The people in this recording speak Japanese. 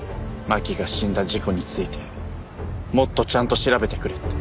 真希が死んだ事故についてもっとちゃんと調べてくれって。